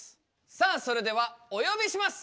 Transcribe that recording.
さあそれではお呼びします！